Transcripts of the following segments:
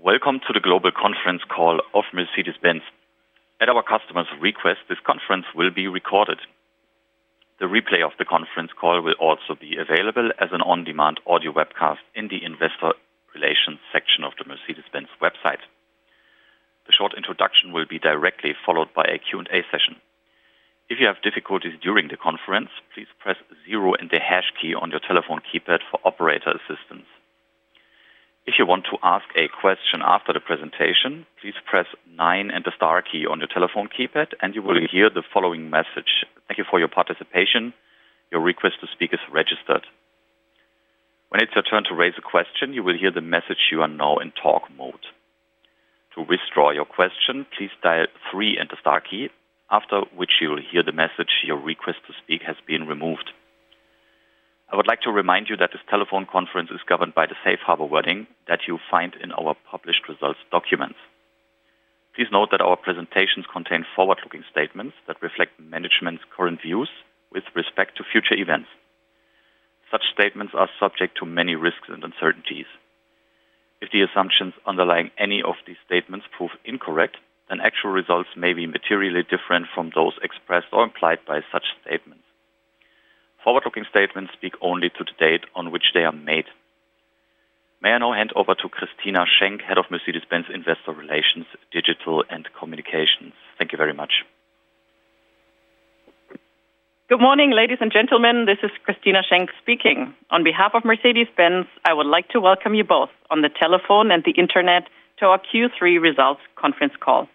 Welcome to the global conference call of Mercedes-Benz. At our customers' request, this conference will be recorded. The replay of the conference call will also be available as an on-demand audio webcast in the investor relations section of the Mercedes-Benz website. The short introduction will be directly followed by a Q&A session. If you have difficulties during the conference, please press zero and the hash key on your telephone keypad for operator assistance. If you want to ask a question after the presentation, please press nine and the star key on your telephone keypad, and you will hear the following message: Thank you for your participation. Your request to speak is registered. When it's your turn to raise a question, you will hear the message: You are now in talk mode. To withdraw your question, please dial three and the star key, after which you will hear the message: Your request to speak has been removed. I would like to remind you that this telephone conference is governed by the safe harbor wording that you find in our published results documents. Please note that our presentations contain forward-looking statements that reflect management's current views with respect to future events. Such statements are subject to many risks and uncertainties. If the assumptions underlying any of these statements prove incorrect, then actual results may be materially different from those expressed or implied by such statements. Forward-looking statements speak only to the date on which they are made. May I now hand over to Christina Schenck, Head of Investor Relations, Digital and Communications? Thank you very much. Good morning, ladies and gentlemen. This is Christina Schenck speaking. On behalf of Mercedes-Benz, I would like to welcome you both on the telephone and the internet to our Q3 results conference call.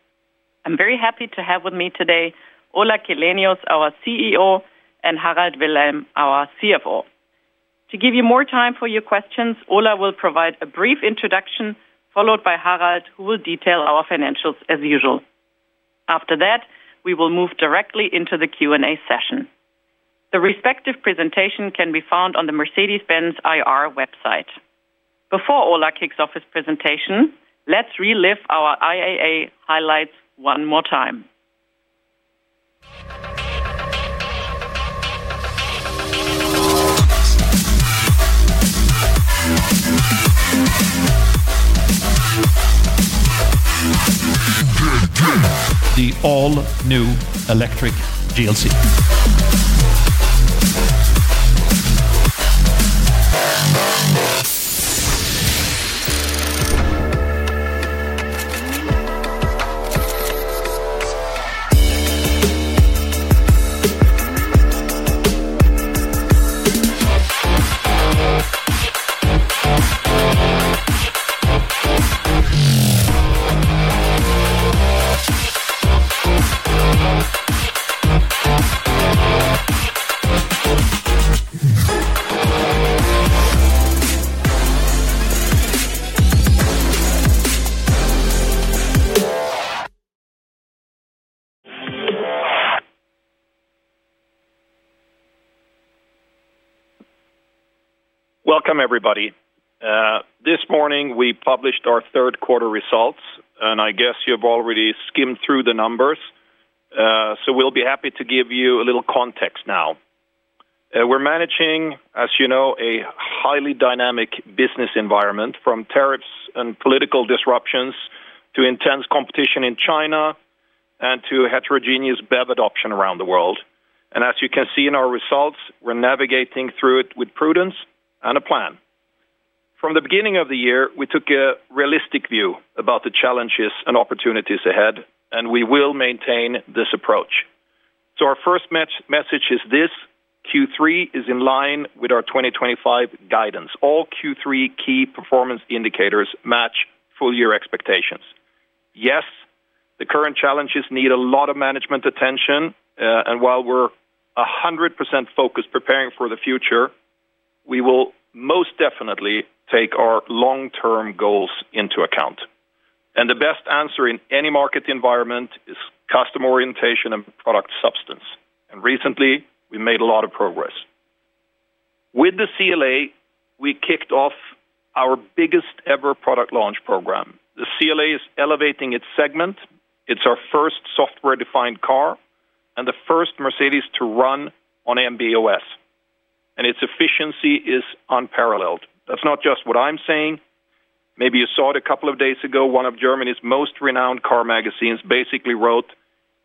I'm very happy to have with me today Ola Källenius, our CEO, and Harald Wilhelm, our CFO. To give you more time for your questions, Ola will provide a brief introduction followed by Harald, who will detail our financials as usual. After that, we will move directly into the Q&A session. The respective presentation can be found on the Mercedes-Benz IR website. Before Ola kicks off his presentation, let's relive our IAA highlights one more time. The all-new electric GLC. Welcome, everybody. This morning, we published our third-quarter results, and I guess you've already skimmed through the numbers, so we'll be happy to give you a little context now. We're managing, as you know, a highly dynamic business environment from tariffs and political disruptions to intense competition in China and to heterogeneous BEV adoption around the world. As you can see in our results, we're navigating through it with prudence and a plan. From the beginning of the year, we took a realistic view about the challenges and opportunities ahead, and we will maintain this approach. Our first message is this: Q3 is in line with our 2025 guidance. All Q3 key performance indicators match full-year expectations. Yes, the current challenges need a lot of management attention, and while we're 100% focused preparing for the future, we will most definitely take our long-term goals into account. The best answer in any market environment is customer orientation and product substance. Recently, we've made a lot of progress. With the CLA, we kicked off our biggest ever product launch program. The CLA is elevating its segment. It's our first software-defined car and the first Mercedes to run on MB.OS, and its efficiency is unparalleled. That's not just what I'm saying. Maybe you saw it a couple of days ago. One of Germany's most renowned car magazines basically wrote,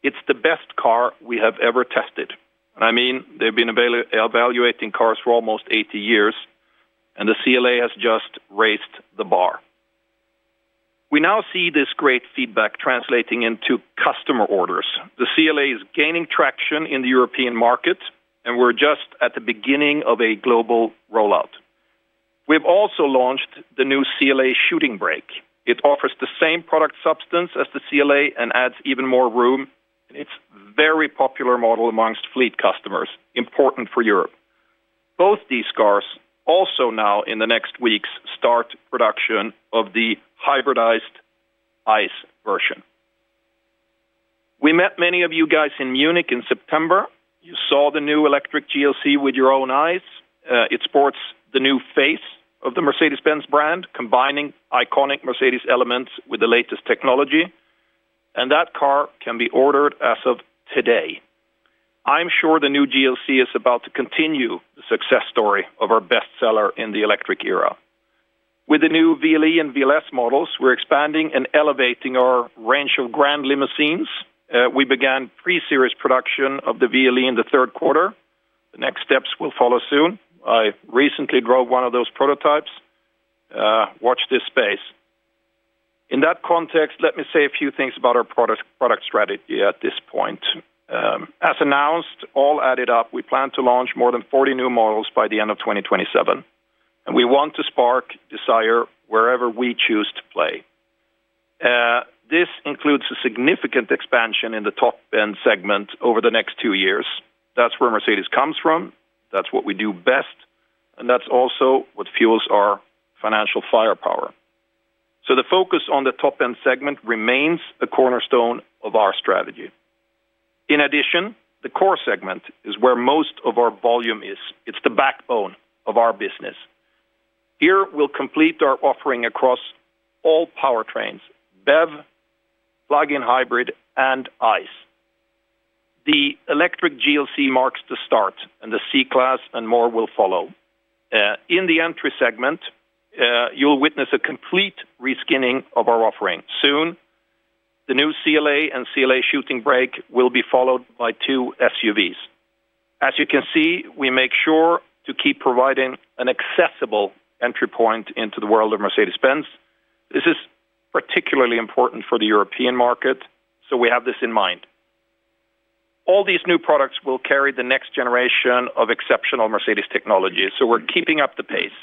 "It's the best car we have ever tested." I mean, they've been evaluating cars for almost 80 years, and the CLA has just raised the bar. We now see this great feedback translating into customer orders. The CLA is gaining traction in the European market, and we're just at the beginning of a global rollout. We've also launched the new CLA Shooting Brake. It offers the same product substance as the CLA and adds even more room. It's a very popular model amongst fleet customers, important for Europe. Both these cars also now in the next weeks start production of the hybridized ICE version. We met many of you guys in Munich in September. You saw the new electric GLC with your own eyes. It sports the new face of the Mercedes-Benz brand, combining iconic Mercedes elements with the latest technology, and that car can be ordered as of today. I'm sure the new GLC is about to continue the success story of our best seller in the electric era. With the new VLE and VLS models, we're expanding and elevating our range of grand limousines. We began pre-series production of the VLE in the third quarter. The next steps will follow soon. I recently drove one of those prototypes. Watch this space. In that context, let me say a few things about our product strategy at this point. As announced, all added up, we plan to launch more than 40 new models by the end of 2027, and we want to spark desire wherever we choose to play. This includes a significant expansion in the top-end segment over the next two years. That's where Mercedes-Benz comes from. That's what we do best, and that's also what fuels our financial firepower. The focus on the top-end segment remains a cornerstone of our strategy. In addition, the core segment is where most of our volume is. It's the backbone of our business. Here, we'll complete our offering across all powertrains: BEV, plug-in hybrid, and ICE. The electric GLC marks the start, and the C-Class and more will follow. In the entry segment, you'll witness a complete reskinning of our offering. Soon, the new CLA and CLA Shooting Brake will be followed by two SUVs. As you can see, we make sure to keep providing an accessible entry point into the world of Mercedes-Benz. This is particularly important for the European market, so we have this in mind. All these new products will carry the next generation of exceptional Mercedes technology, so we're keeping up the pace.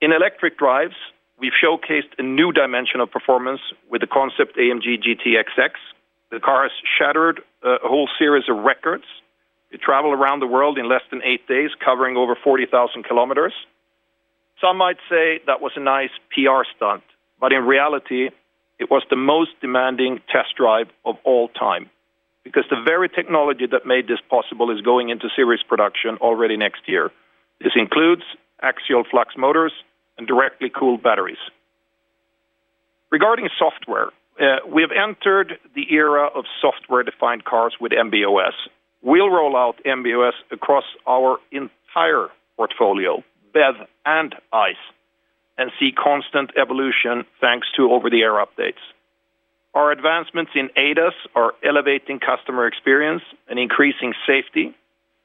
In electric drives, we've showcased a new dimension of performance with the concept AMG GTXX. The car has shattered a whole series of records. It traveled around the world in less than eight days, covering over 40,000 km. Some might say that was a nice PR stunt, but in reality, it was the most demanding test drive of all time because the very technology that made this possible is going into series production already next year. This includes axial flux motors and directly cooled batteries. Regarding software, we have entered the era of software-defined cars with MB.OS. We'll roll out MB.OS across our entire portfolio, BEV and ICE, and see constant evolution thanks to over-the-air updates. Our advancements in ADAS are elevating customer experience and increasing safety.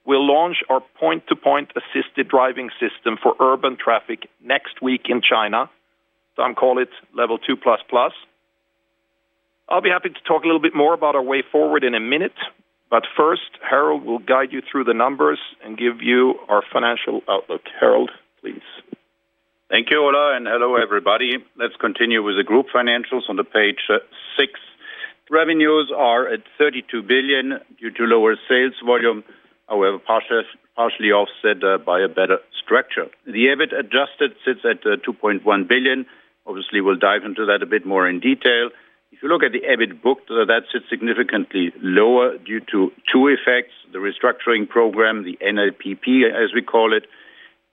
We'll launch our point-to-point assisted driving system for urban traffic next week in China. Some call it Level 2++. I'll be happy to talk a little bit more about our way forward in a minute, but first, Harald will guide you through the numbers and give you our financial outlook. Harald, please. Thank you, Ola, and hello, everybody. Let's continue with the group financials on page six. Revenues are at 32 billion due to lower sales volume, however, partially offset by a better structure. The adjusted EBIT sits at 2.1 billion. Obviously, we'll dive into that a bit more in detail. If you look at the EBIT booked, that sits significantly lower due to two effects: the NLPP restructuring program, as we call it,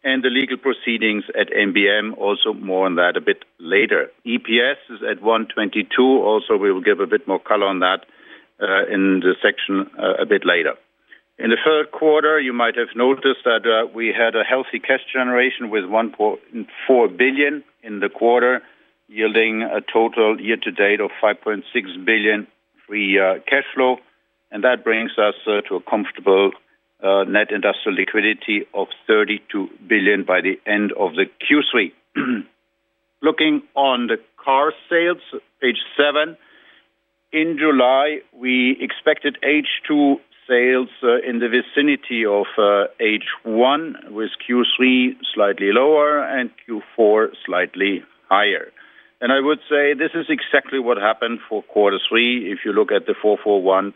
and the legal proceedings at Mercedes-Benz Mobility. Also, more on that a bit later. EPS is at 1.22 billion. Also, we will give a bit more color on that in the section a bit later. In the third quarter, you might have noticed that we had a healthy cash generation with 1.4 billion in the quarter, yielding a total year-to-date of 5.6 billion free cash flow. That brings us to a comfortable net industrial liquidity of 32 billion by the end of Q3. Looking on the car sales, page seven, in July, we expected H2 sales in the vicinity of H1, with Q3 slightly lower and Q4 slightly higher. I would say this is exactly what happened for quarter three if you look at the 441,000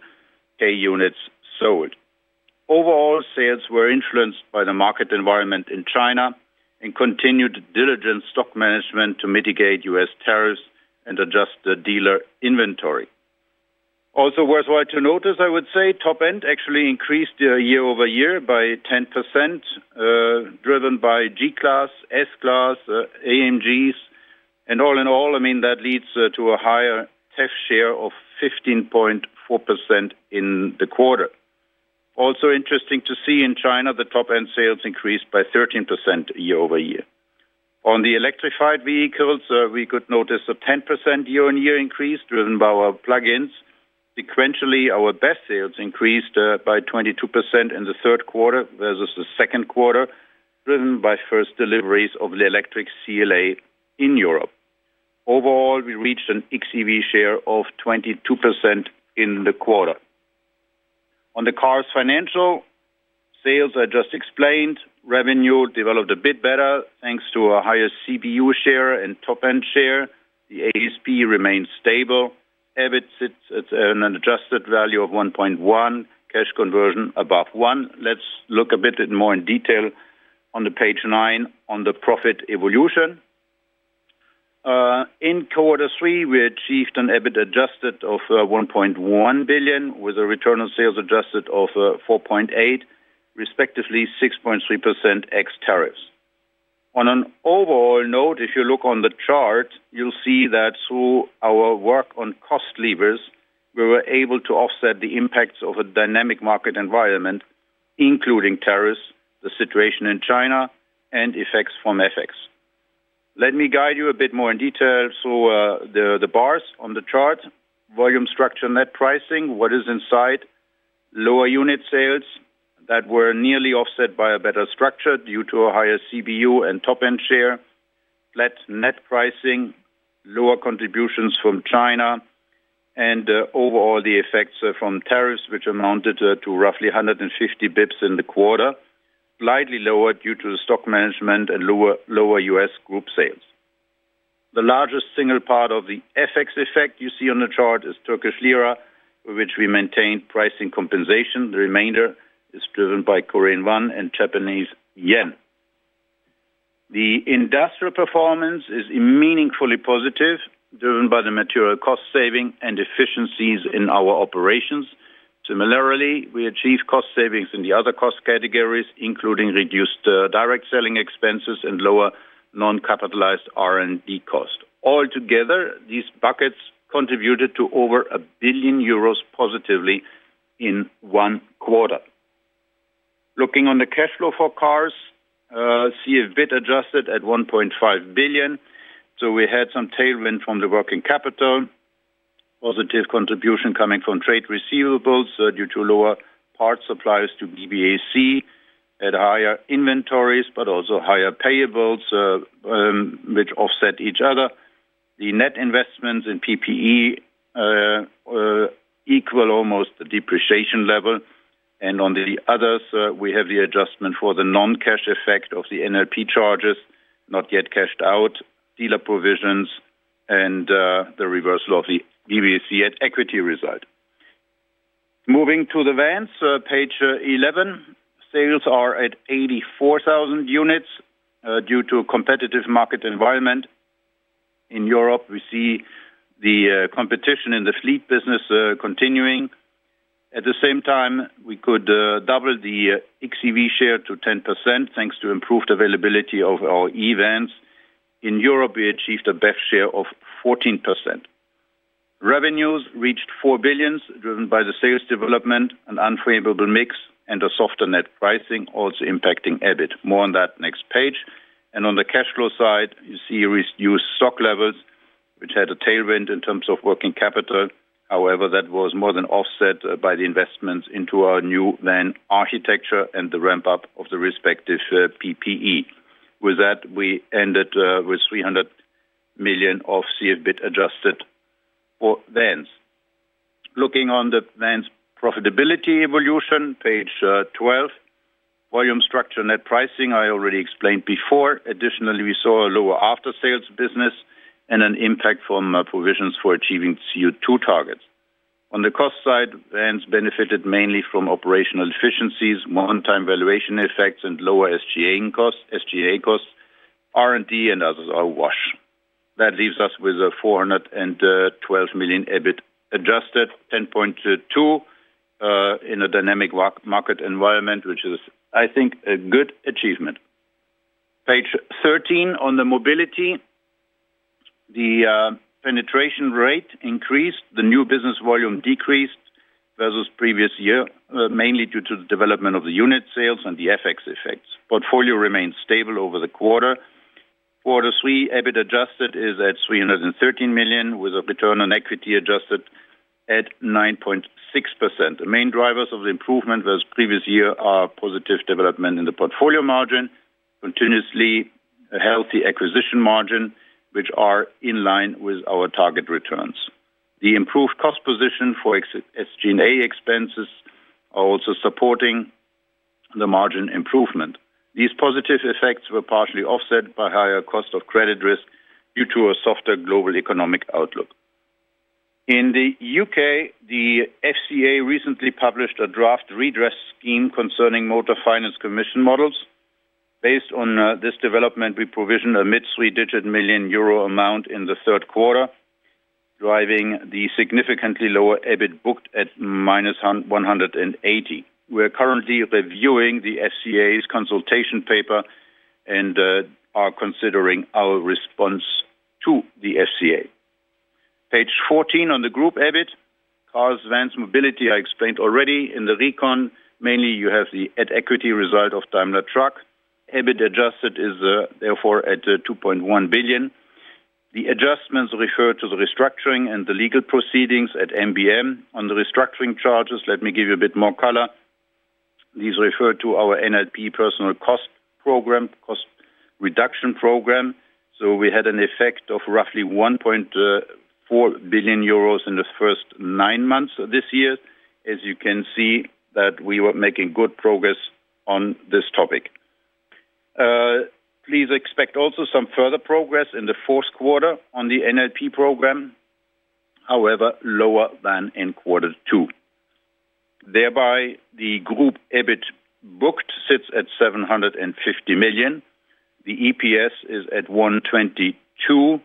units sold. Overall, sales were influenced by the market environment in China and continued diligent stock management to mitigate U.S. tariffs and adjust the dealer inventory. Also worthwhile to notice, I would say top-end actually increased year over year by 10%, driven by G-Class, S-Class, and AMG. All in all, that leads to a higher TEV share of 15.4% in the quarter. Also interesting to see in China, the top-end sales increased by 13% year over year. On the electrified vehicles, we could notice a 10% year-on-year increase driven by our plug-ins. Sequentially, our BEV sales increased by 22% in the third quarter versus the second quarter, driven by first deliveries of the electric CLA in Europe. Overall, we reached an XEV share of 22% in the quarter. On the cars financials, sales I just explained, revenue developed a bit better thanks to a higher CPU share and top-end share. The ADC remains stable. EBIT sits at an adjusted value of 1.1 billion, cash conversion above one. Let's look a bit more in detail on page nine on the profit evolution. In quarter three, we achieved an adjusted EBIT of 1.1 billion with a return on sales adjusted of 4.8%, respectively 6.3% ex tariffs. On an overall note, if you look on the chart, you'll see that through our work on cost levers, we were able to offset the impacts of a dynamic market environment, including tariffs, the situation in China, and effects from FX. Let me guide you a bit more in detail. The bars on the chart: volume structure, net pricing, what is inside, lower unit sales that were nearly offset by a better structure due to a higher CPU and top-end share, flat net pricing, lower contributions from China, and overall the effects from tariffs, which amounted to roughly 150 bps in the quarter, slightly lower due to the stock management and lower U.S. group sales. The largest single part of the FX effect you see on the chart is Turkish Lira, for which we maintained pricing compensation. The remainder is driven by Korean Won and Japanese Yen. The industrial performance is meaningfully positive, driven by the material cost saving and efficiencies in our operations. Similarly, we achieve cost savings in the other cost categories, including reduced direct selling expenses and lower non-capitalized R&D cost. Altogether, these buckets contributed to over 1 billion euros positively in one quarter. Looking on the cash flow for cars, I see a bit adjusted at 1.5 billion. We had some tailwind from the working capital, positive contribution coming from trade receivables due to lower parts suppliers to BVAC, had higher inventories, but also higher payables, which offset each other. The net investments in PPE equal almost the depreciation level. On the others, we have the adjustment for the non-cash effect of the NLP charges not yet cashed out, dealer provisions, and the reversal of the BVAC at equity result. Moving to the Vans page 11, sales are at 84,000 units due to a competitive market environment. In Europe, we see the competition in the fleet business continuing. At the same time, we could double the XEV share to 10% thanks to improved availability of our E-Vans. In Europe, we achieved a BEV share of 14%. Revenues reached 4 billion, driven by the sales development, an unfavorable mix, and a softer net pricing also impacting EBIT. More on that next page. On the cash flow side, you see reduced stock levels, which had a tailwind in terms of working capital. However, that was more than offset by the investments into our new van architecture and the ramp-up of the respective PPE. With that, we ended with 300 million of CFB adjusted for Vans. Looking on the Vans profitability evolution, page 12, volume structure net pricing I already explained before. Additionally, we saw a lower after-sales business and an impact from provisions for achieving CO2 targets. On the cost side, Vans benefited mainly from operational efficiencies, one-time valuation effects, and lower SG&A costs. R&D and others are a wash. That leaves us with a 412 million adjusted EBIT, 10.2%, in a dynamic market environment, which is, I think, a good achievement. Page 13 on the mobility, the penetration rate increased. The new business volume decreased versus previous year, mainly due to the development of the unit sales and the FX effects. Portfolio remains stable over the quarter. Q3 adjusted EBIT is at 313 million, with a return on equity adjusted at 9.6%. The main drivers of the improvement versus previous year are positive development in the portfolio margin, continuously a healthy acquisition margin, which are in line with our target returns. The improved cost position for SG&A expenses are also supporting the margin improvement. These positive effects were partially offset by a higher cost of credit risk due to a softer global economic outlook. In the United Kingdom, the FCA recently published a draft redress scheme concerning motor finance commission models. Based on this development, we provisioned a mid-three-digit million euro amount in the third quarter, driving the significantly lower EBIT booked at minus 180 million. We're currently reviewing the FCA's consultation paper and are considering our response to the FCA. Page 14 on the group EBIT, cars, vans, mobility, I explained already. In the recon, mainly you have the add equity result of Daimler Truck. Adjusted EBIT is therefore at 2.1 billion. The adjustments refer to the restructuring and the legal proceedings at Mercedes-Benz Mobility. On the restructuring charges, let me give you a bit more color. These refer to our NLPP personnel cost program, cost reduction program. We had an effect of roughly 1.4 billion euros in the first nine months of this year. As you can see, we were making good progress on this topic. Please expect also some further progress in the fourth quarter on the NLPP program, however, lower than in Q2. Thereby, the group EBIT booked sits at 750 million. The EPS is at 1.22 billion,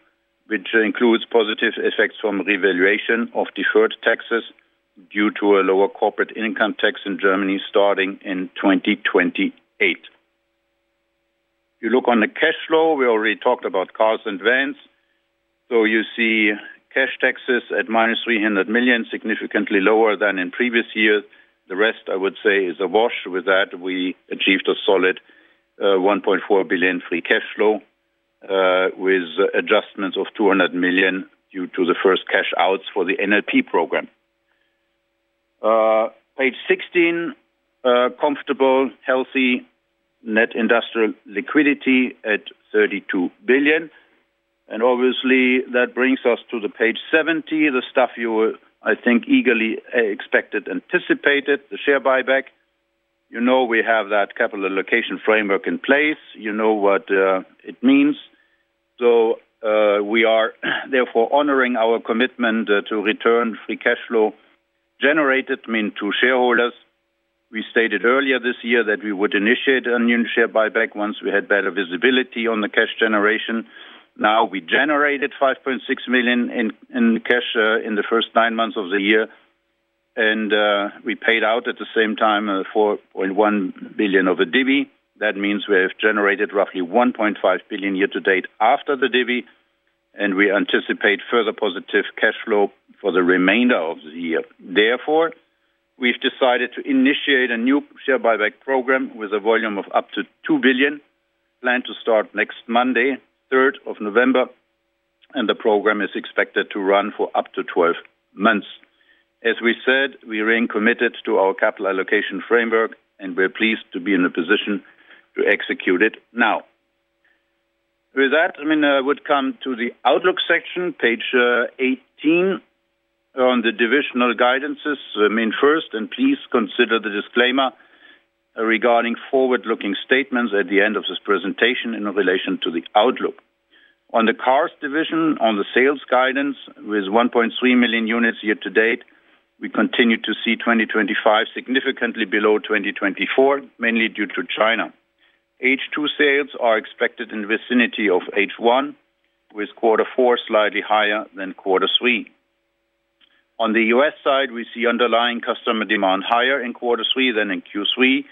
which includes positive effects from revaluation of deferred taxes due to a lower corporate income tax in Germany starting in 2028. If you look on the cash flow, we already talked about cars and vans. You see cash taxes at minus 300 million, significantly lower than in previous years. The rest, I would say, is a wash. With that, we achieved a solid 1.4 billion free cash flow with adjustments of 200 million due to the first cash outs for the NLPP restructuring program. Page 16, comfortable, healthy net industrial liquidity at 32 billion. That brings us to page 70, the stuff you, I think, eagerly expected and anticipated, the share buyback. You know we have that capital allocation framework in place. You know what it means. We are therefore honoring our commitment to return free cash flow generated to shareholders. We stated earlier this year that we would initiate a new share buyback once we had better visibility on the cash generation. Now, we generated 5.6 billion in cash in the first nine months of the year, and we paid out at the same time 4.1 billion of a DBI. That means we have generated roughly 1.5 billion year to date after the DBI, and we anticipate further positive cash flow for the remainder of the year. Therefore, we've decided to initiate a new share buyback program with a volume of up to 2 billion, planned to start next Monday, 3rd of November, and the program is expected to run for up to 12 months. As we said, we remain committed to our capital allocation framework, and we're pleased to be in a position to execute it now. With that, I would come to the outlook section, page 18, on the divisional guidances. First, and please consider the disclaimer regarding forward-looking statements at the end of this presentation in relation to the outlook. On the cars division, on the sales guidance, with 1.3 million units year to date, we continue to see 2025 significantly below 2024, mainly due to China. H2 sales are expected in the vicinity of H1, with quarter four slightly higher than quarter three. On the U.S. side, we see underlying customer demand higher in quarter three than in Q3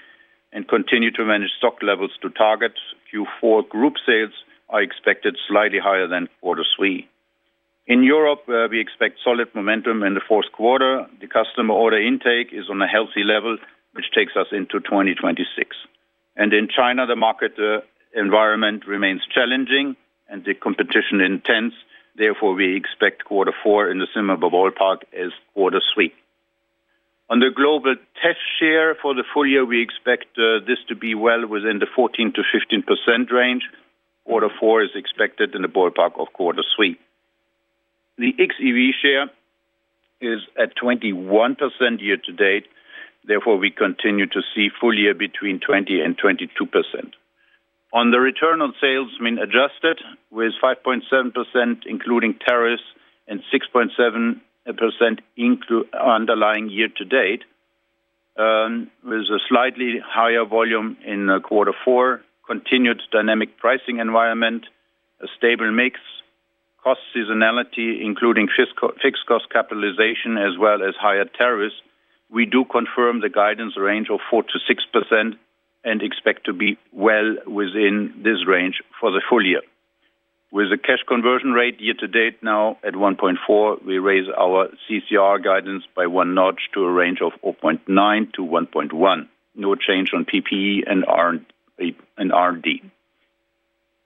and continue to manage stock levels to target. Q4 group sales are expected slightly higher than quarter three. In Europe, we expect solid momentum in the fourth quarter. The customer order intake is on a healthy level, which takes us into 2026. In China, the market environment remains challenging and the competition intense. Therefore, we expect quarter four in the similar ballpark as quarter three. On the global test share for the full year, we expect this to be well within the 14% to 15% range. Quarter four is expected in the ballpark of quarter three. The XEV share is at 21% year to date. Therefore, we continue to see full year between 20% and 22%. On the return on sales, I mean, adjusted with 5.7% including tariffs and 6.7% underlying year to date, with a slightly higher volume in quarter four, continued dynamic pricing environment, a stable mix, cost seasonality, including fixed cost capitalization, as well as higher tariffs. We do confirm the guidance range of 4% to 6% and expect to be well within this range for the full year. With the cash conversion rate year to date now at 1.4, we raise our CCR guidance by one notch to a range of 4.9-1.1. No change on PPE and R&D.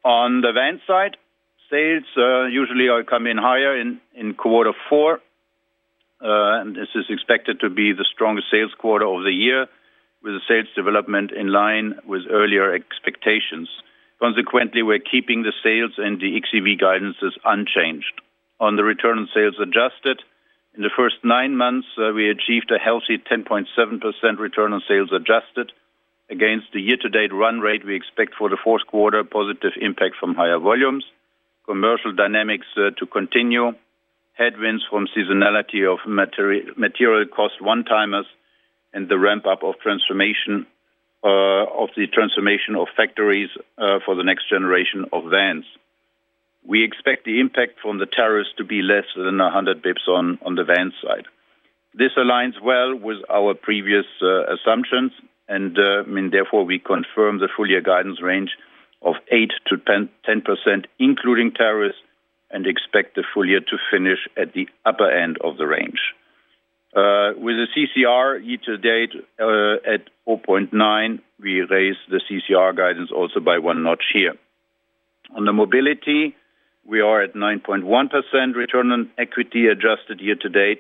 On the van side, sales usually come in higher in quarter four. This is expected to be the strongest sales quarter of the year, with the sales development in line with earlier expectations. Consequently, we're keeping the sales and the XEV guidances unchanged. On the return on sales adjusted, in the first nine months, we achieved a healthy 10.7% return on sales adjusted against the year-to-date run rate we expect for the fourth quarter, positive impact from higher volumes, commercial dynamics to continue, headwinds from seasonality of material cost one-timers, and the ramp-up of the transformation of factories for the next generation of vans. We expect the impact from the tariffs to be less than 100 bps on the van side. This aligns well with our previous assumptions, and I mean, therefore, we confirm the full year guidance range of 8%-10%, including tariffs, and expect the full year to finish at the upper end of the range. With the CCR year to date at 0.9, we raise the CCR guidance also by one notch here. On the mobility, we are at 9.1% return on equity adjusted year to date,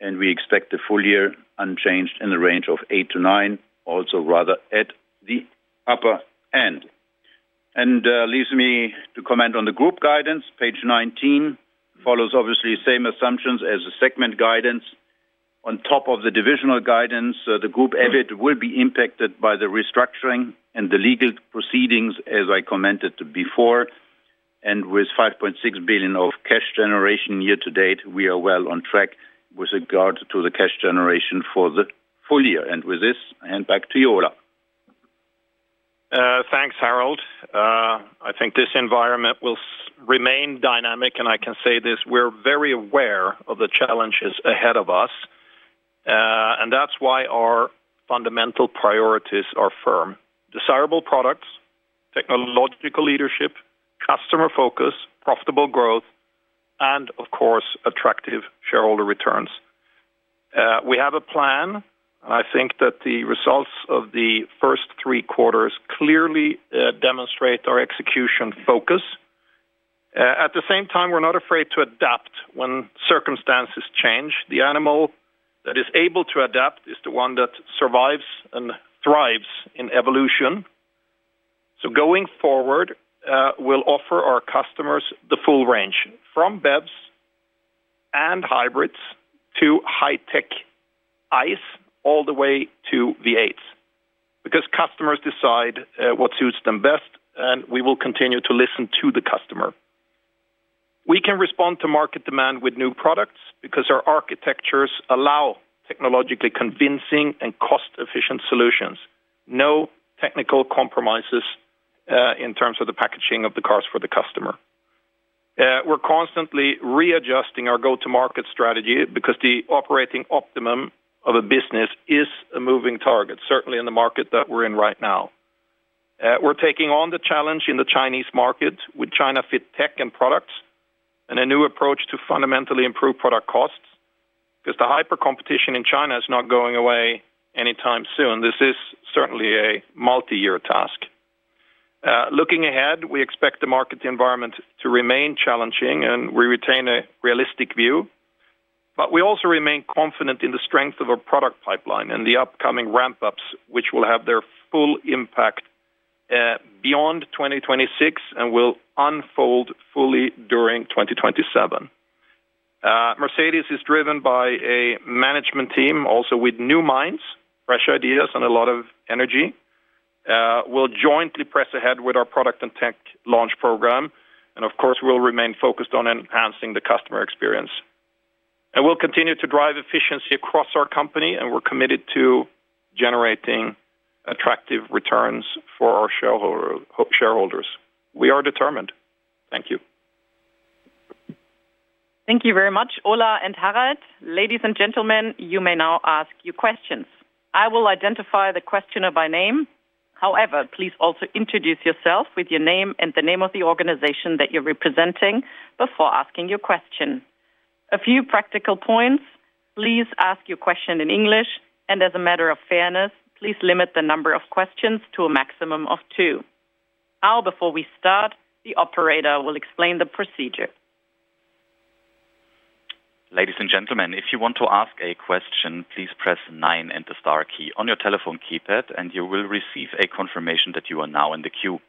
and we expect the full year unchanged in the range of 8%-9%, also rather at the upper end. This leaves me to comment on the group guidance. Page 19 follows obviously the same assumptions as the segment guidance. On top of the divisional guidance, the group EBIT will be impacted by the restructuring and the legal proceedings, as I commented before. With 5.6 billion of cash generation year to date, we are well on track with regard to the cash generation for the full year. With this, I hand back to you, Ola. Thanks, Harald. I think this environment will remain dynamic, and I can say this, we're very aware of the challenges ahead of us. That's why our fundamental priorities are firm: desirable products, technological leadership, customer focus, profitable growth, and, of course, attractive shareholder returns. We have a plan, and I think that the results of the first three quarters clearly demonstrate our execution focus. At the same time, we're not afraid to adapt when circumstances change. The animal that is able to adapt is the one that survives and thrives in evolution. Going forward, we'll offer our customers the full range from BEVs and hybrids to high-tech ICE all the way to V8s because customers decide what suits them best, and we will continue to listen to the customer. We can respond to market demand with new products because our architectures allow technologically convincing and cost-efficient solutions. No technical compromises in terms of the packaging of the cars for the customer. We're constantly readjusting our go-to-market strategy because the operating optimum of a business is a moving target, certainly in the market that we're in right now. We're taking on the challenge in the Chinese market with ChinaFitTech and products and a new approach to fundamentally improve product costs because the hypercompetition in China is not going away anytime soon. This is certainly a multi-year task. Looking ahead, we expect the market environment to remain challenging, and we retain a realistic view, but we also remain confident in the strength of our product pipeline and the upcoming ramp-ups, which will have their full impact beyond 2026 and will unfold fully during 2027. Mercedes-Benz is driven by a management team also with new minds, fresh ideas, and a lot of energy. We'll jointly press ahead with our product and tech launch program, and we will remain focused on enhancing the customer experience. We'll continue to drive efficiency across our company, and we're committed to generating attractive returns for our shareholders. We are determined. Thank you. Thank you very much, Ola and Harald. Ladies and gentlemen, you may now ask your questions. I will identify the questioner by name. However, please also introduce yourself with your name and the name of the organization that you're representing before asking your question. A few practical points: please ask your question in English, and as a matter of fairness, please limit the number of questions to a maximum of two. Now, before we start, the operator will explain the procedure. Ladies and gentlemen, if you want to ask a question, please press nine and the star key on your telephone keypad, and you will receive a confirmation that you are now in the queue.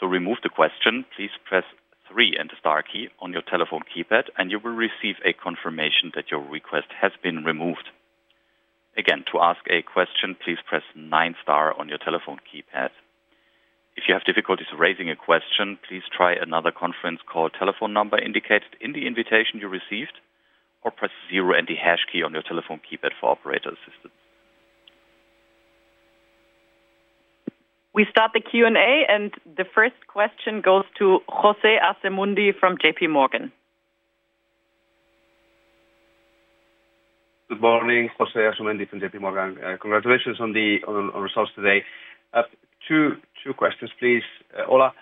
To remove the question, please press three and the star key on your telephone keypad, and you will receive a confirmation that your request has been removed. Again, to ask a question, please press nine star on your telephone keypad. If you have difficulties raising a question, please try another conference call telephone number indicated in the invitation you received, or press zero and the hash key on your telephone keypad for operator assistance. We start the Q&A, and the first question goes to Jose Asumendi from JPMorgan. Good morning, Jose Asumendi from JPMorgan. Congratulations on the results today. Two questions, please. Ola,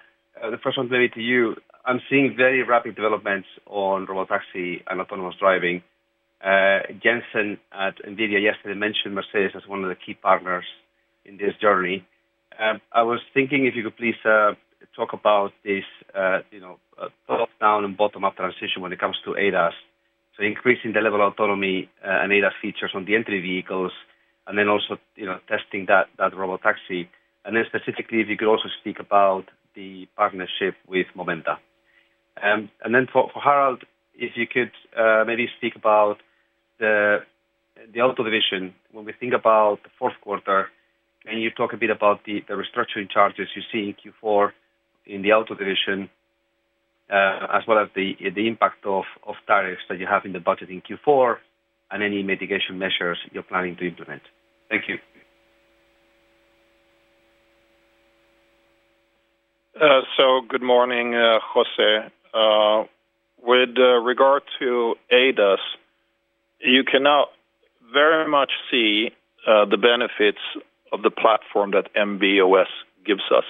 the first one's maybe to you. I'm seeing very rapid developments on robotaxi and autonomous driving. Jensen at Nvidia yesterday mentioned Mercedes-Benz as one of the key partners in this journey. I was thinking if you could please talk about this, you know, top-down and bottom-up transition when it comes to ADAS. Increasing the level of autonomy and ADAS features on the entry vehicles, and then also, you know, testing that robotaxi. Specifically, if you could also speak about the partnership with Momenta. For Harald, if you could maybe speak about the auto division when we think about the fourth quarter, and you talk a bit about the restructuring charges you see in Q4 in the auto division, as well as the impact of tariffs that you have in the budget in Q4, and any mitigation measures you're planning to implement. Thank you. Good morning, Jose. With regard to ADAS, you can now very much see the benefits of the platform that MB.OS gives us.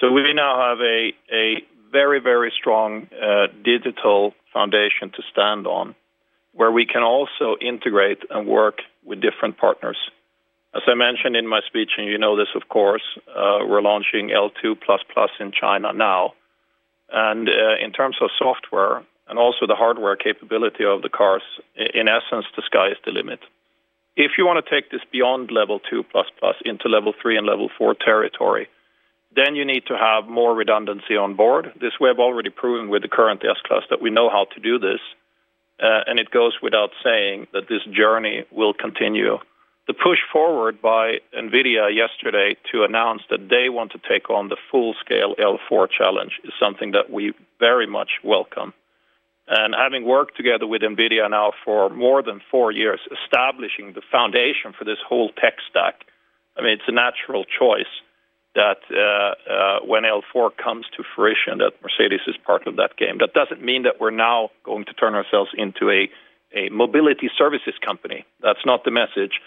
We now have a very, very strong digital foundation to stand on, where we can also integrate and work with different partners. As I mentioned in my speech, and you know this, of course, we're launching Level 2++ in China now. In terms of software and also the hardware capability of the cars, in essence, the sky is the limit. If you want to take this beyond Level 2++ into Level 3 and Level 4 territory, then you need to have more redundancy on board. This way, we're already proving with the current S-Class that we know how to do this. It goes without saying that this journey will continue. The push forward by Nvidia yesterday to announce that they want to take on the full-scale Level 4 challenge is something that we very much welcome. Having worked together with Nvidia now for more than four years, establishing the foundation for this whole tech stack, it's a natural choice that when Level 4 comes to fruition, Mercedes is part of that game. That doesn't mean that we're now going to turn ourselves into a mobility services company. That's not the message.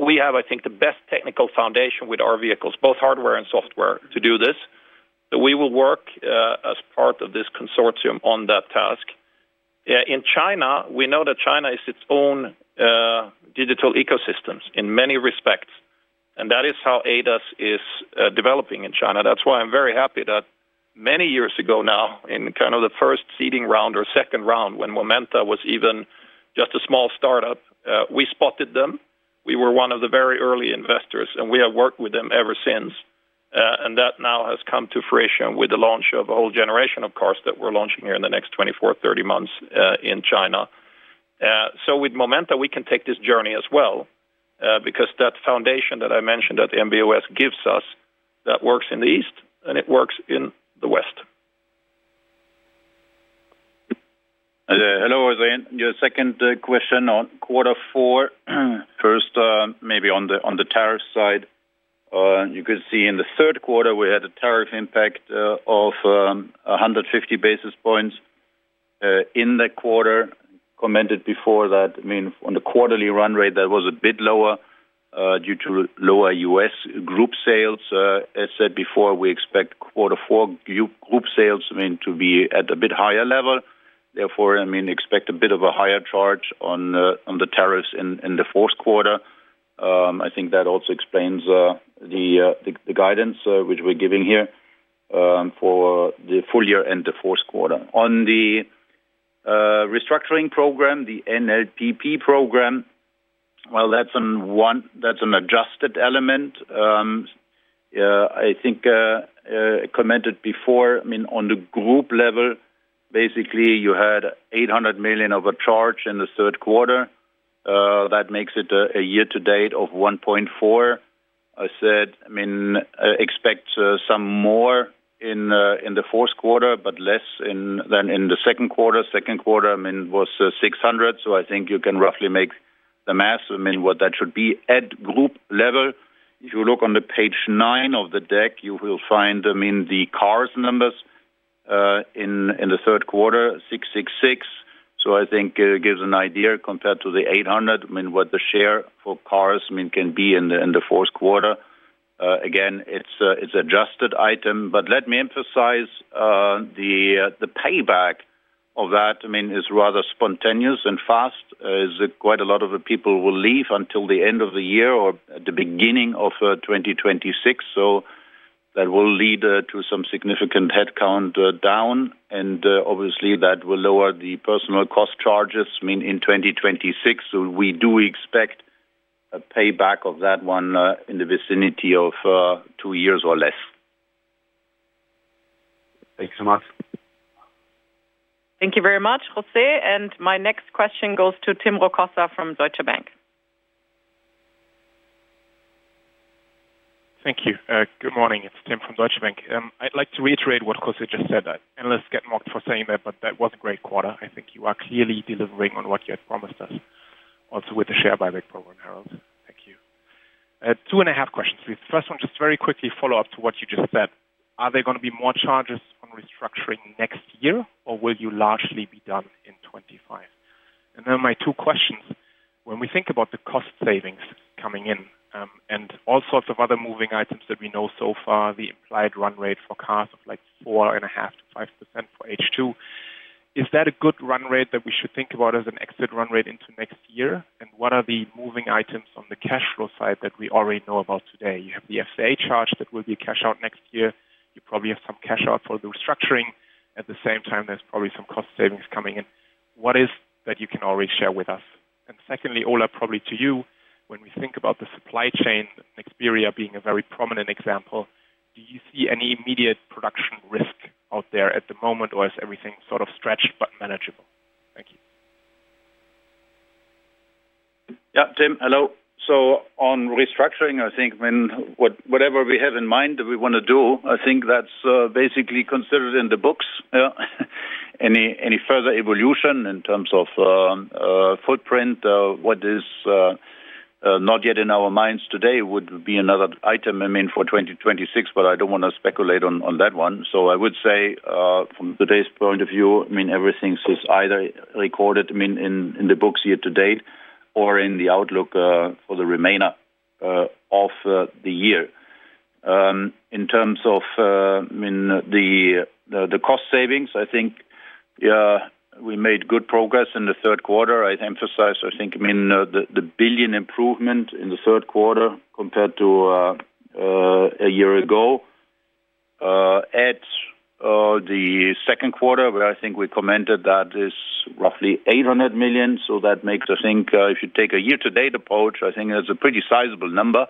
We have, I think, the best technical foundation with our vehicles, both hardware and software, to do this. We will work as part of this consortium on that task. In China, we know that China is its own digital ecosystems in many respects, and that is how ADAS is developing in China. That's why I'm very happy that many years ago now, in kind of the first seeding round or second round, when Momenta was even just a small startup, we spotted them. We were one of the very early investors, and we have worked with them ever since. That now has come to fruition with the launch of a whole generation of cars that we're launching here in the next 24, 30 months in China. With Momenta, we can take this journey as well because that foundation that I mentioned that MB.OS gives us, that works in the east, and it works in the west. Hello, Ozan. Your second question on quarter four. First, maybe on the tariff side, you could see in the third quarter, we had a tariff impact of 150 basis points in that quarter. Commented before that, I mean, on the quarterly run rate, that was a bit lower due to lower U.S. group sales. As said before, we expect quarter four group sales, I mean, to be at a bit higher level. Therefore, I mean, expect a bit of a higher charge on the tariffs in the fourth quarter. I think that also explains the guidance which we're giving here for the full year and the fourth quarter. On the restructuring program, the NLPP restructuring program, that's an adjusted element. I think I commented before, I mean, on the group level, basically, you had 800 million of a charge in the third quarter. That makes it a year to date of 1.4 billion. I said, I mean, expect some more in the fourth quarter, but less than in the second quarter. Second quarter, I mean, was 600 million. I think you can roughly make the math, I mean, what that should be at group level. If you look on page nine of the deck, you will find the cars numbers in the third quarter, 666 million. I think it gives an idea compared to the 800 million, what the share for cars can be in the fourth quarter. Again, it's an adjusted item. Let me emphasize the payback of that is rather spontaneous and fast. Quite a lot of people will leave until the end of the year or at the beginning of 2026. That will lead to some significant headcount down. Obviously, that will lower the personnel cost charges in 2026. We do expect a payback of that one in the vicinity of two years or less. Thank you so much. Thank you very much, Jose. My next question goes to Tim Rokossa from Deutsche Bank. Thank you. Good morning. It's Tim from Deutsche Bank. I'd like to reiterate what Jose just said. I know let's get marked for saying that, but that was a great quarter. I think you are clearly delivering on what you had promised us, also with the share buyback program, Harald. Thank you. Two and a half questions, please. The first one, just very quickly, follow up to what you just said. Are there going to be more charges on restructuring next year, or will you largely be done in 2025? My two questions. When we think about the cost savings coming in and all sorts of other moving items that we know so far, the implied run rate for cars of like 4.5%-5% for H2, is that a good run rate that we should think about as an exit run rate into next year? What are the moving items on the cash flow side that we already know about today? You have the FCA charge that will be a cash out next year. You probably have some cash out for the restructuring. At the same time, there's probably some cost savings coming in. What is that you can already share with us? Secondly, Ola, probably to you, when we think about the supply chain, Nexperia being a very prominent example, do you see any immediate production risk out there at the moment, or is everything sort of stretched but manageable? Thank you. Yeah, Tim. Hello. On restructuring, whatever we have in mind that we want to do, that's basically considered in the books. Any further evolution in terms of footprint, what is not yet in our minds today would be another item for 2026, but I don't want to speculate on that one. From today's point of view, everything is either recorded in the books year to date or in the outlook for the remainder of the year. In terms of the cost savings, we made good progress in the third quarter. I emphasized the billion improvement in the third quarter compared to a year ago. At the second quarter, we commented that is roughly 800 million. That makes, if you take a year-to-date approach, a pretty sizable number.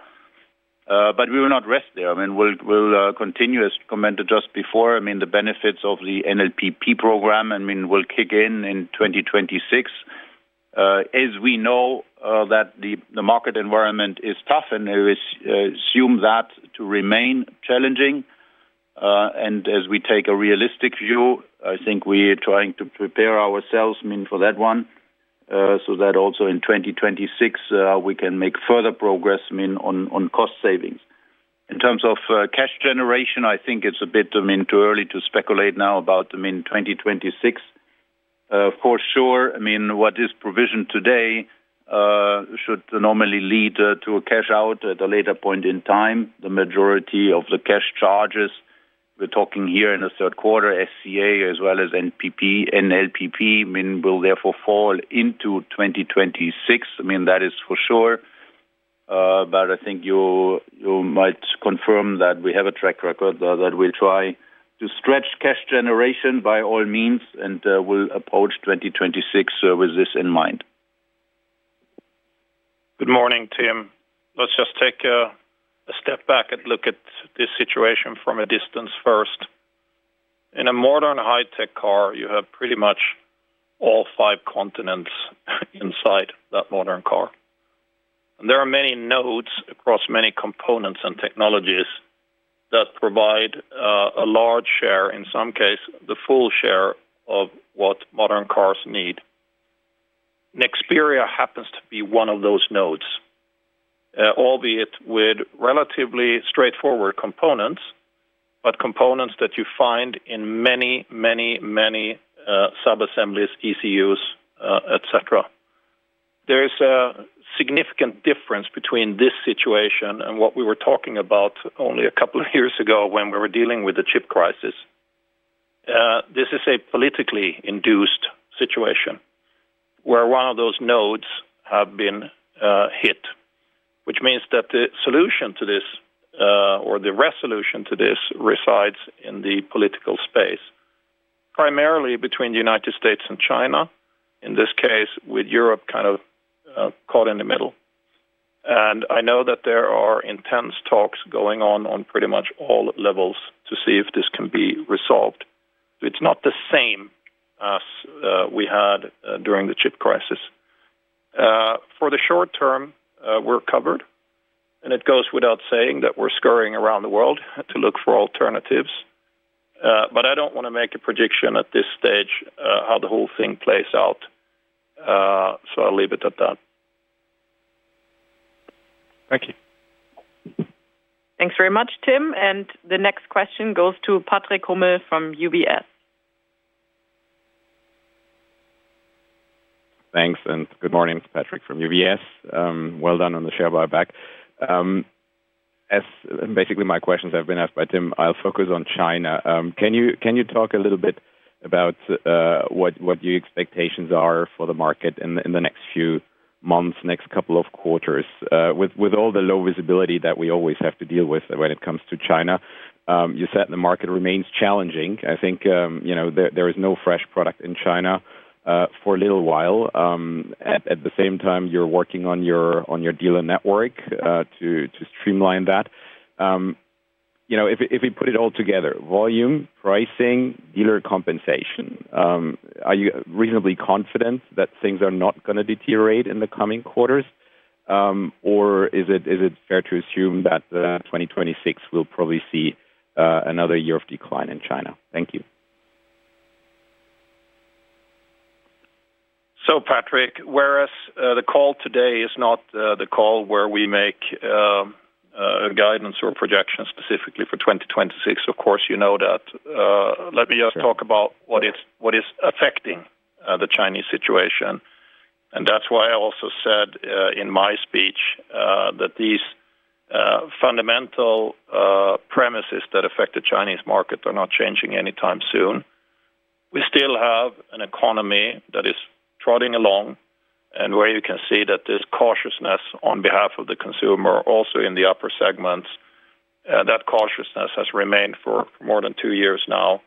We will not rest there. We'll continue, as commented just before, the benefits of the NLPP restructuring program. We'll kick in in 2026. As we know, the market environment is tough, and I assume that to remain challenging. As we take a realistic view, we are trying to prepare ourselves for that one, so that also in 2026, we can make further progress on cost savings. In terms of cash generation, it's a bit too early to speculate now about 2026. For sure, what is provisioned today should normally lead to a cash out at a later point in time. The majority of the cash charges we're talking here in the third quarter, SCA as well as NLPP, will therefore fall into 2026. That is for sure. I think you might confirm that we have a track record that we'll try to stretch cash generation by all means and will approach 2026 with this in mind. Good morning, Tim. Let's just take a step back and look at this situation from a distance first. In a modern high-tech car, you have pretty much all five continents inside that modern car. There are many nodes across many components and technologies that provide a large share, in some cases, the full share of what modern cars need. Nexperia happens to be one of those nodes, albeit with relatively straightforward components, but components that you find in many, many, many subassemblies, ECUs, et cetera. There is a significant difference between this situation and what we were talking about only a couple of years ago when we were dealing with the chip crisis. This is a politically induced situation where one of those nodes has been hit, which means that the solution to this, or the resolution to this, resides in the political space, primarily between the United States and China, in this case with Europe kind of caught in the middle. I know that there are intense talks going on on pretty much all levels to see if this can be resolved. It's not the same as we had during the chip crisis. For the short term, we're covered. It goes without saying that we're scurrying around the world to look for alternatives. I don't want to make a prediction at this stage how the whole thing plays out. I'll leave it at that. Thank you. Thank you very much, Tim. The next question goes to Patrick Hummel from UBS. Thanks, and good morning, Patrick from UBS. Well done on the share buyback. Basically, my questions have been asked by Tim. I'll focus on China. Can you talk a little bit about what your expectations are for the market in the next few months, next couple of quarters? With all the low visibility that we always have to deal with when it comes to China, you said the market remains challenging. I think there is no fresh product in China for a little while. At the same time, you're working on your dealer network to streamline that. If we put it all together, volume, pricing, dealer compensation, are you reasonably confident that things are not going to deteriorate in the coming quarters? Is it fair to assume that 2026 we'll probably see another year of decline in China? Thank you. Patrick, whereas the call today is not the call where we make a guidance or projection specifically for 2026, of course, you know that. Let me just talk about what is affecting the Chinese situation. That's why I also said in my speech that these fundamental premises that affect the Chinese market are not changing anytime soon. We still have an economy that is trotting along and where you can see that this cautiousness on behalf of the consumer, also in the upper segments, that cautiousness has remained for more than two years now.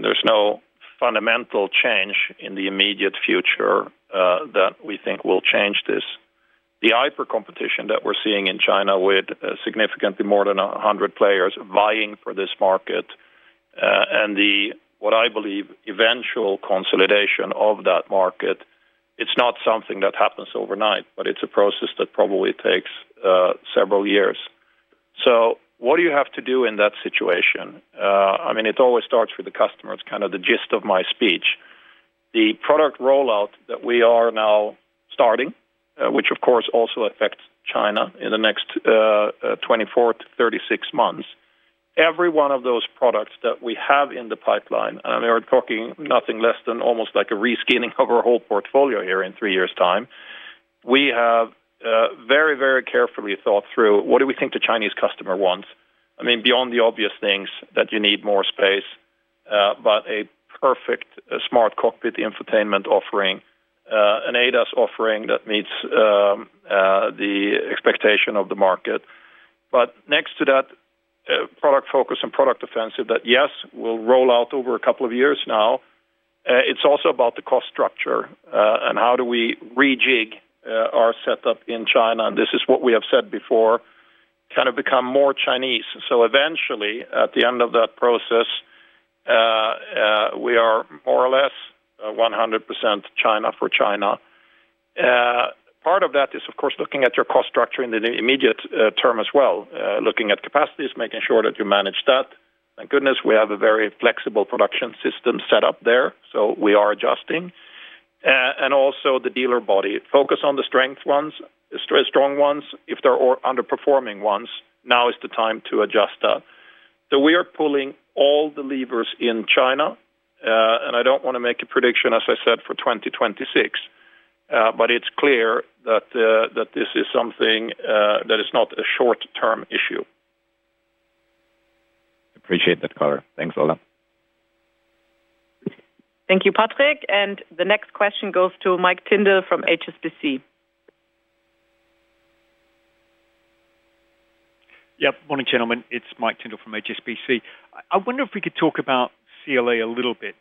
There's no fundamental change in the immediate future that we think will change this. The hypercompetition that we're seeing in China with significantly more than 100 players vying for this market and what I believe is the eventual consolidation of that market, it's not something that happens overnight, but it's a process that probably takes several years. What do you have to do in that situation? It always starts with the customers, kind of the gist of my speech. The product rollout that we are now starting, which of course also affects China in the next 24 months-36 months, every one of those products that we have in the pipeline, and we're talking nothing less than almost like a reskimming of our whole portfolio here in three years' time, we have very, very carefully thought through what do we think the Chinese customer wants. I mean, beyond the obvious things that you need more space, but a perfect smart cockpit infotainment offering, an ADAS offering that meets the expectation of the market. Next to that, product focus and product defensive that, yes, we'll roll out over a couple of years now. It's also about the cost structure and how do we rejig our setup in China. This is what we have said before, kind of become more Chinese. Eventually, at the end of that process, we are more or less 100% China for China. Part of that is, of course, looking at your cost structure in the immediate term as well, looking at capacities, making sure that you manage that. Thank goodness we have a very flexible production system set up there. We are adjusting. Also the dealer body, focus on the strong ones. If there are underperforming ones, now is the time to adjust that. We are pulling all the levers in China. I don't want to make a prediction, as I said, for 2026. It's clear that this is something that is not a short-term issue. Appreciate that, Carter. Thanks, Ola. Thank you, Patrick. The next question goes to Mike Tyndall from HSBC. Yeah. Morning, gentlemen. It's Mike Tindall from HSBC. I wonder if we could talk about CLA a little bit.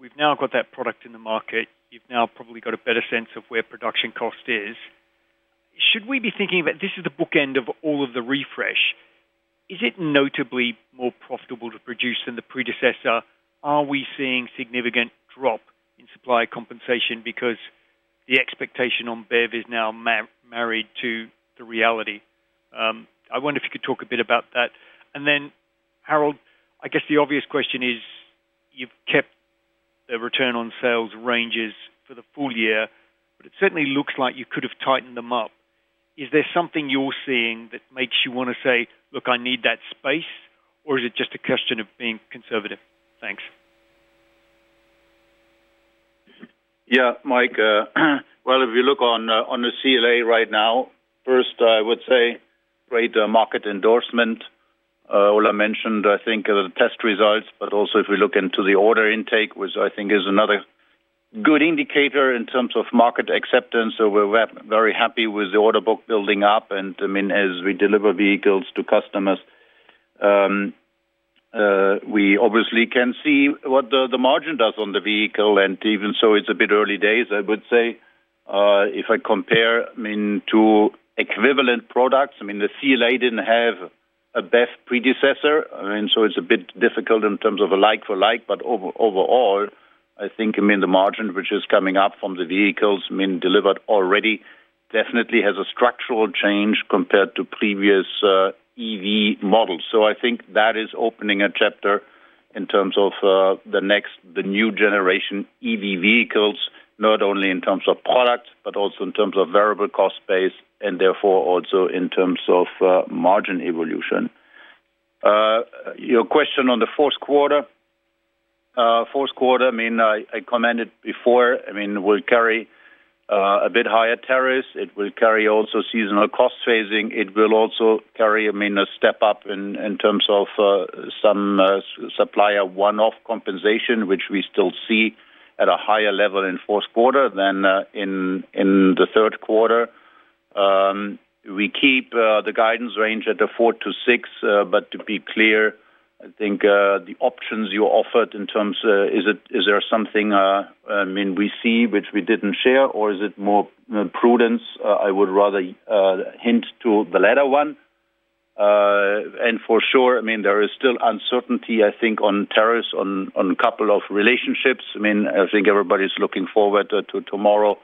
We've now got that product in the market. You've now probably got a better sense of where production cost is. Should we be thinking about this as the bookend of all of the refresh? Is it notably more profitable to produce than the predecessor? Are we seeing a significant drop in supply compensation because the expectation on BEV is now married to the reality? I wonder if you could talk a bit about that. Harold, I guess the obvious question is you've kept the return on sales ranges for the full year, but it certainly looks like you could have tightened them up. Is there something you're seeing that makes you want to say, "Look, I need that space," or is it just a question of being conservative? Thanks. Yeah, Mike. If you look on the CLA right now, first, I would say great market endorsement. Ola mentioned, I think, the test results, but also if we look into the order intake, which I think is another good indicator in terms of market acceptance, we're very happy with the order book building up. As we deliver vehicles to customers, we obviously can see what the margin does on the vehicle. Even so, it's a bit early days, I would say. If I compare to equivalent products, the CLA didn't have a BEV predecessor, so it's a bit difficult in terms of a like-for-like. Overall, I think the margin, which is coming up from the vehicles delivered already, definitely has a structural change compared to previous EV models. I think that is opening a chapter in terms of the next, the new generation EV vehicles, not only in terms of product, but also in terms of variable cost base, and therefore also in terms of margin evolution. Your question on the fourth quarter, I commented before, we'll carry a bit higher tariffs. It will carry also seasonal cost phasing. It will also carry a step up in terms of some supplier one-off compensation, which we still see at a higher level in the fourth quarter than in the third quarter. We keep the guidance range at the four to six, but to be clear, I think the options you offered in terms of is there something we see which we didn't share, or is it more prudence? I would rather hint to the latter one. For sure, there is still uncertainty, I think, on tariffs on a couple of relationships. I think everybody's looking forward to tomorrow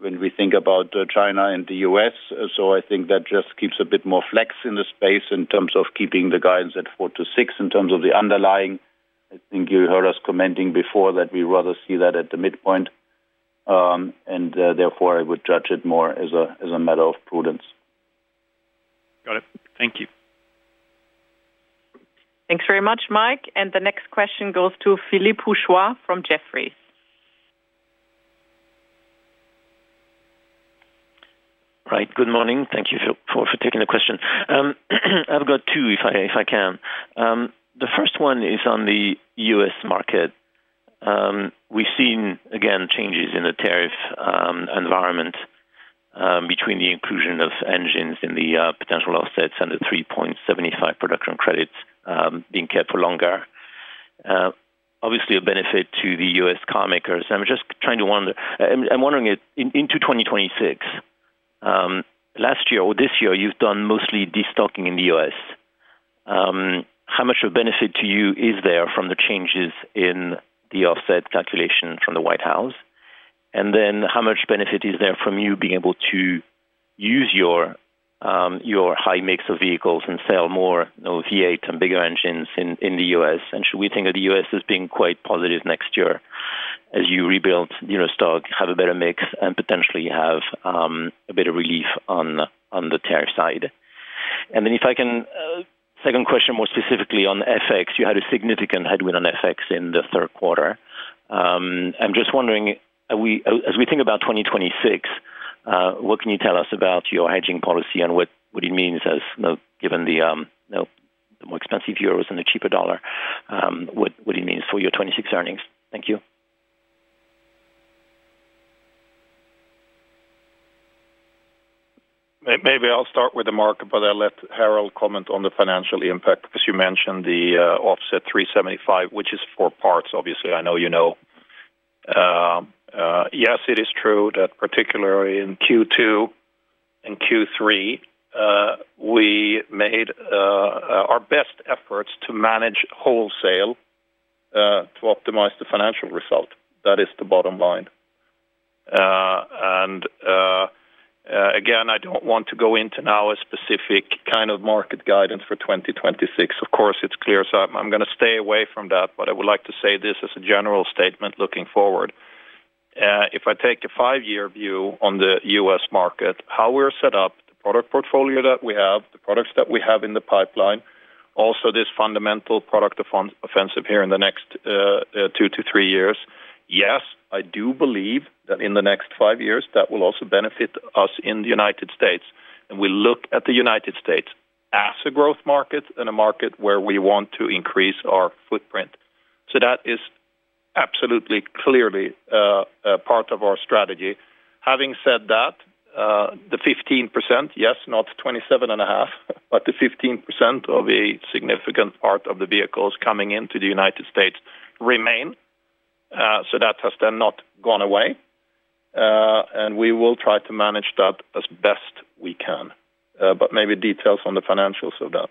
when we think about China and the U.S. That just keeps a bit more flex in the space in terms of keeping the guidance at four to six in terms of the underlying. I think you heard us commenting before that we'd rather see that at the midpoint. Therefore, I would judge it more as a matter of prudence. Got it. Thank you. Thanks very much, Mike. The next question goes to Philippe Houchois from Jefferies. Right. Good morning. Thank you for taking the question. I've got two if I can. The first one is on the U.S. market. We've seen, again, changes in the tariff environment between the inclusion of engines in the potential offsets and the 3.75 million production credits being cared for longer. Obviously, a benefit to the U.S. carmakers. I'm just wondering if in 2026, last year or this year, you've done mostly destocking in the U.S. How much of a benefit to you is there from the changes in the offset calculation from the White House? How much benefit is there from you being able to use your high mix of vehicles and sell more V8 and bigger engines in the U.S.? Should we think of the U.S. as being quite positive next year as you rebuild stock, have a better mix, and potentially have a bit of relief on the tariff side? Second question, more specifically on FX, you had a significant headwind on FX in the third quarter. I'm just wondering, as we think about 2026, what can you tell us about your hedging policy and what it means as given the more expensive euros and the cheaper dollar, what it means for your 2026 earnings? Thank you. Maybe I'll start with the market, but I'll let Harald comment on the financial impact because you mentioned the offset 375, which is four parts, obviously. I know you know. Yes, it is true that particularly in Q2 and Q3, we made our best efforts to manage wholesale to optimize the financial result. That is the bottom line. I don't want to go into now a specific kind of market guidance for 2026. Of course, it's clear, so I'm going to stay away from that, but I would like to say this as a general statement looking forward. If I take a five-year view on the U.S. market, how we're set up, the product portfolio that we have, the products that we have in the pipeline, also this fundamental product offensive here in the next two to three years, yes, I do believe that in the next five years, that will also benefit us in the United States. We look at the United States as a growth market and a market where we want to increase our footprint. That is absolutely clearly a part of our strategy. Having said that, the 15%, yes, not 27.5%, but the 15% of a significant part of the vehicles coming into the United States remain. That has then not gone away. We will try to manage that as best we can. Maybe details on the financials of that.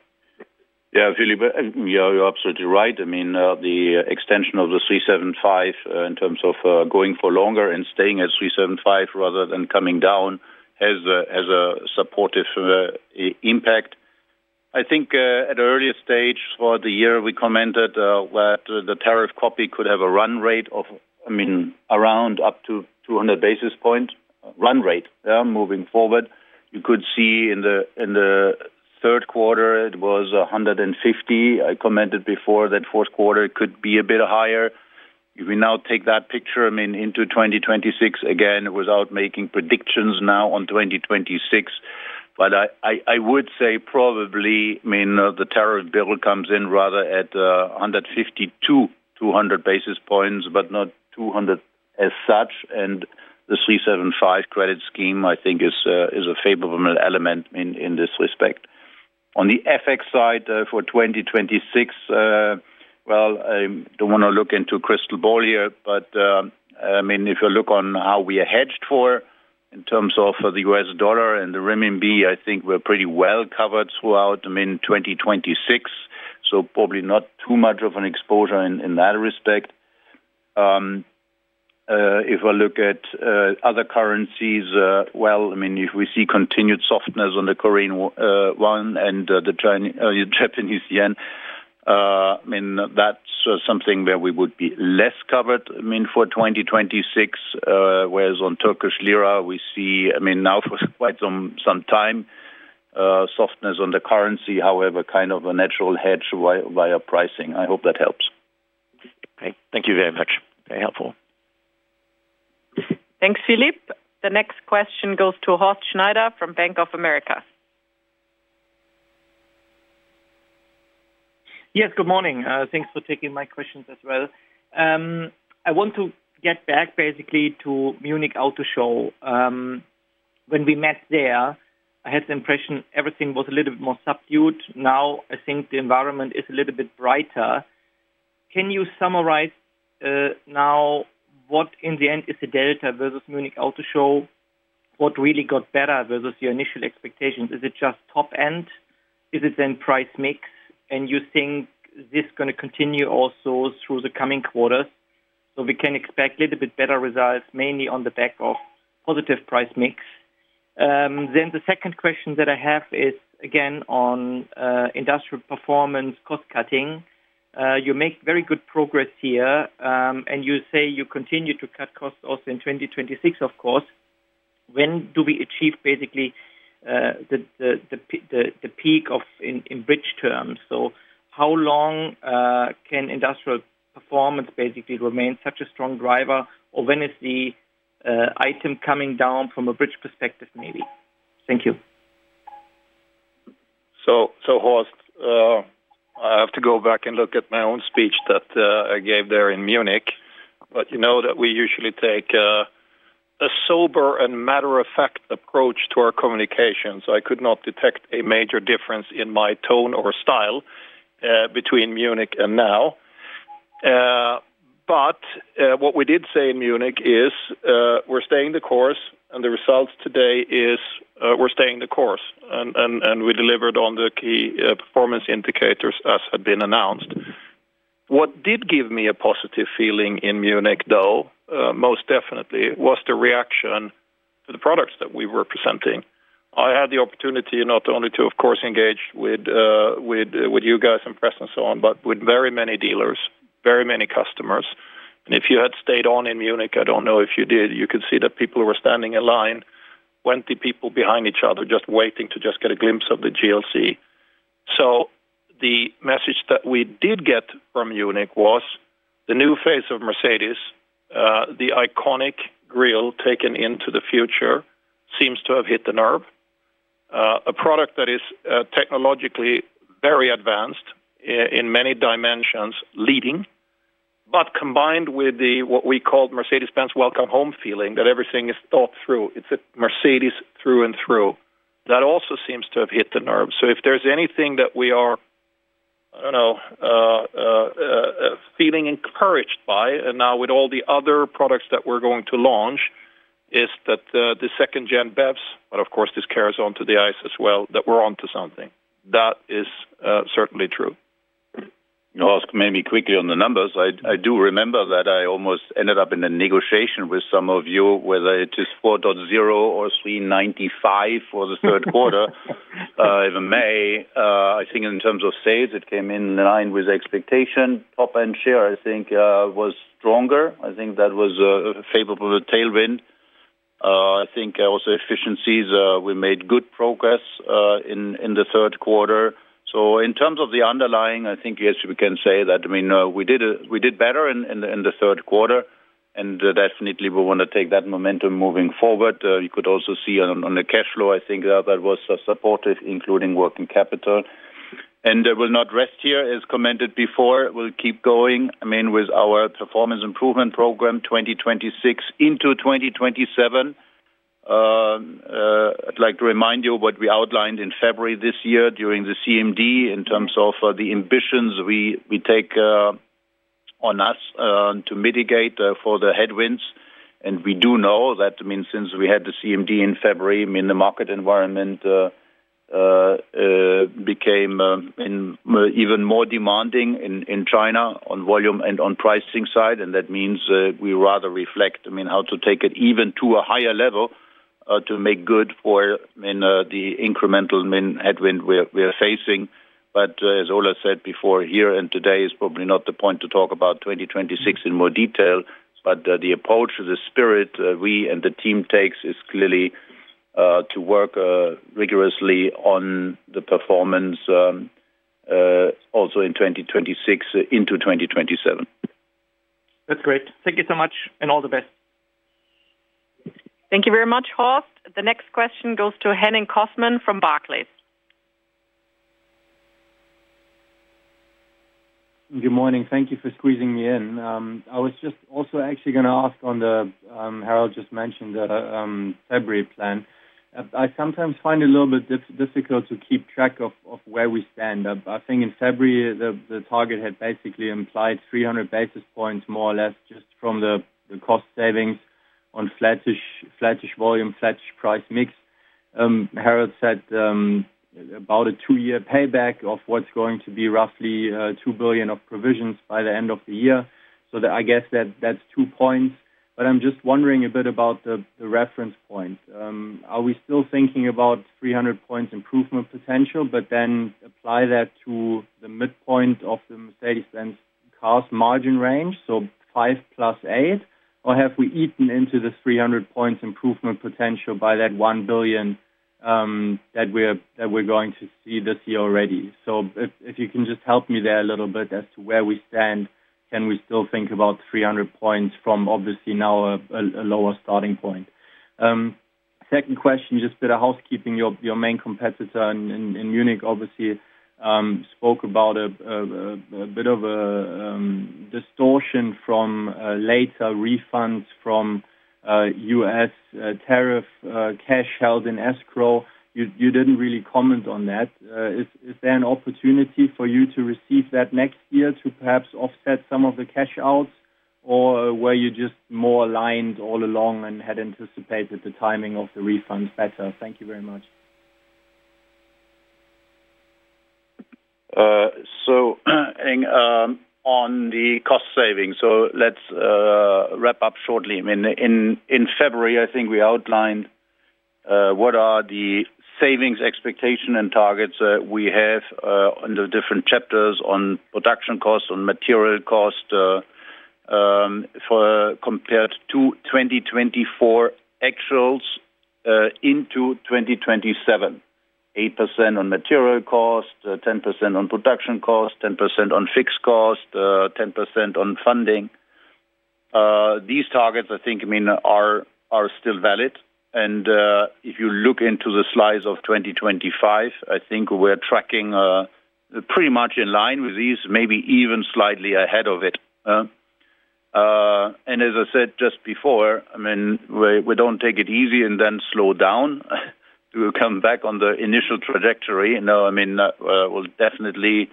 Yeah, Philip, you're absolutely right. I mean, the extension of the 375 in terms of going for longer and staying at 375 rather than coming down has a supportive impact. I think at an earlier stage for the year, we commented that the tariff copy could have a run rate of, I mean, around up to 200 basis points run rate. Moving forward, you could see in the third quarter, it was 150. I commented before that fourth quarter could be a bit higher. If we now take that picture into 2026, again, without making predictions now on 2026, but I would say probably, I mean, the tariff bill comes in rather at 152 basis points-200 basis points, but not 200 as such. The 375 credit scheme, I think, is a favorable element in this respect. On the FX side for 2026, I don't want to look into crystal ball here, but I mean, if you look on how we are hedged for in terms of the US dollar and the renminbi, I think we're pretty well covered throughout, I mean, 2026. Probably not too much of an exposure in that respect. If I look at other currencies, I mean, if we see continued softness on the Korean Won and the Japanese Yen, that's something where we would be less covered, I mean, for 2026. Whereas on Turkish Lira, we see now for quite some time, softness on the currency, however, kind of a natural hedge via pricing. I hope that helps. Great. Thank you very much. Very helpful. Thanks, Philippe. The next question goes to Horst Schneider from Bank of America. Yes, good morning. Thanks for taking my questions as well. I want to get back basically to Munich Auto Show. When we met there, I had the impression everything was a little bit more subdued. Now, I think the environment is a little bit brighter. Can you summarize now what in the end is the delta versus Munich Auto Show? What really got better versus your initial expectations? Is it just top end? Is it then price mix? You think this is going to continue also through the coming quarters? We can expect a little bit better results, mainly on the back of positive price mix. The second question that I have is, again, on industrial performance cost cutting. You make very good progress here, and you say you continue to cut costs also in 2026, of course. When do we achieve basically the peak in bridge terms? How long can industrial performance basically remain such a strong driver, or when is the item coming down from a bridge perspective, maybe? Thank you. I have to go back and look at my own speech that I gave there in Munich. You know that we usually take a sober and matter-of-fact approach to our communications. I could not detect a major difference in my tone or style between Munich and now. What we did say in Munich is we're staying the course, and the results today are we're staying the course. We delivered on the key performance indicators as had been announced. What did give me a positive feeling in Munich, though, most definitely, was the reaction to the products that we were presenting. I had the opportunity not only to, of course, engage with you guys in press and so on, but with very many dealers, very many customers. If you had stayed on in Munich, I don't know if you did, you could see that people were standing in line, 20 people behind each other, just waiting to just get a glimpse of the GLC. The message that we did get from Munich was the new face of Mercedes, the iconic grille taken into the future, seems to have hit the nerve. A product that is technologically very advanced in many dimensions, leading, but combined with what we called Mercedes-Benz welcome home feeling that everything is thought through. It's a Mercedes through and through. That also seems to have hit the nerve. If there's anything that we are, I don't know, feeling encouraged by, and now with all the other products that we're going to launch, is that the second-gen BEVs, but of course, this carries on to the ICE as well, that we're onto something. That is certainly true. I'll ask maybe quickly on the numbers. I do remember that I almost ended up in a negotiation with some of you, whether it is 4.0 or 3.95 for the third quarter. If I may, I think in terms of sales, it came in line with expectation. Top-end share, I think, was stronger. I think that was a favorable tailwind. I think also efficiencies, we made good progress in the third quarter. In terms of the underlying, yes, we can say that we did better in the third quarter and definitely, we want to take that momentum moving forward. You could also see on the cash flow, that was supportive, including working capital. We'll not rest here, as commented before. We'll keep going with our performance improvement program 2026 into 2027. I'd like to remind you of what we outlined in February this year during the CMD in terms of the ambitions we take on us to mitigate for the headwinds. We do know that since we had the CMD in February, the market environment became even more demanding in China on volume and on pricing side. That means we rather reflect how to take it even to a higher level to make good for the incremental headwind we're facing. As Ola Källenius said before, here and today is probably not the point to talk about 2026 in more detail. The approach, the spirit we and the team take is clearly to work rigorously on the performance also in 2026 into 2027. That's great. Thank you so much, and all the best. Thank you very much, Horst. The next question goes to Henning Cosman from Barclays. Good morning. Thank you for squeezing me in. I was just also actually going to ask on the Harald just mentioned the February plan. I sometimes find it a little bit difficult to keep track of where we stand. I think in February, the target had basically implied 300 basis points more or less just from the cost savings on flattish volume, flattish price mix. Harald said about a two-year payback of what's going to be roughly 2 billion of provisions by the end of the year. I guess that's two points. I'm just wondering a bit about the reference point. Are we still thinking about 300 points improvement potential, but then apply that to the midpoint of the Mercedes-Benz Cars margin range, so 5% + 8%? Have we eaten into the 300 points improvement potential by that 1 billion that we're going to see this year already? If you can just help me there a little bit as to where we stand, can we still think about 300 points from obviously now a lower starting point? Second question, just a bit of housekeeping. Your main competitor in Munich obviously spoke about a bit of a distortion from later refunds from U.S. tariff cash held in escrow. You didn't really comment on that. Is there an opportunity for you to receive that next year to perhaps offset some of the cash outs, or were you just more aligned all along and had anticipated the timing of the refunds better? Thank you very much. On the cost savings, let's wrap up shortly. In February, I think we outlined what are the savings expectations and targets that we have in the different chapters on production costs, on material cost compared to 2024 actuals into 2027. 8% on material cost, 10% on production cost, 10% on fixed cost, 10% on funding. These targets, I think, are still valid. If you look into the slides of 2025, I think we're tracking pretty much in line with these, maybe even slightly ahead of it. As I said just before, we don't take it easy and then slow down. We'll come back on the initial trajectory. No, we'll definitely